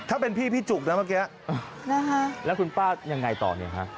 ถ้าเป็นพี่พี่จุกนะเมื่อกี้นะคะแล้วคุณป้ายังไงต่อเนี่ยฮะ